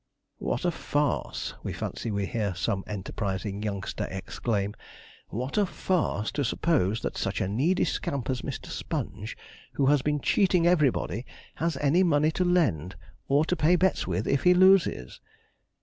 'What a farce,' we fancy we hear some enterprising youngster exclaim 'what a farce, to suppose that such a needy scamp as Mr. Sponge, who has been cheating everybody, has any money to lend, or to pay bets with if he loses!'